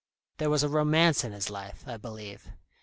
There was a romance in his life, I believe.